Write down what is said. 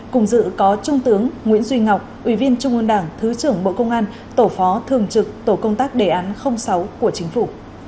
cùng dự có trung tướng nguyễn duy ngọc ủy viên trung ương đảng thứ trưởng bộ công an tổ phó thường trực tổ công tác đề án sáu của chính phủ